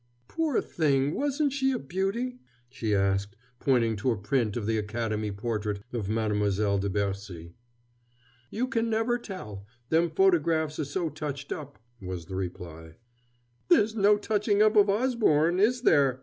"Poor thing! Wasn't she a beauty?" she asked, pointing to a print of the Academy portrait of Mademoiselle de Bercy. "You can never tell them photographs are so touched up," was the reply. "There's no touching up of Osborne, is there?"